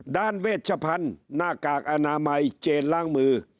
เวชพันธุ์หน้ากากอนามัยเจนล้างมือ